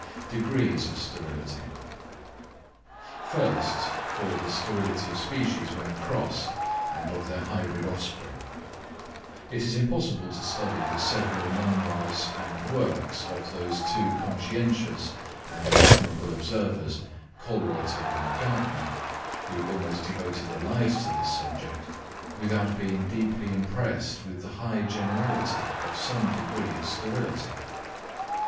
Degrees of Sterility.—First, for the sterility of species when crossed and of their hybrid offspring. It is impossible to study the several memoirs and works of those two conscientious and admirable observers, Kölreuter and Gärtner, who almost devoted their lives to this subject, without being deeply impressed with the high generality of some degree of sterility.